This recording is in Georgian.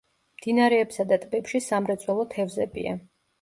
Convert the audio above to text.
მდინარეებსა და ტბებში სამრეწველო თევზებია.